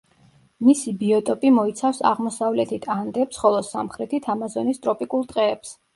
მისი ბიოტოპი მოიცავს აღმოსავლეთით ანდებს ხოლო სამხრეთით ამაზონის ტროპიკულ ტყეებს.